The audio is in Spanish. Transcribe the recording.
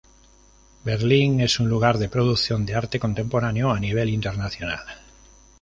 Berlín es un lugar de producción de arte contemporáneo a nivel internacional.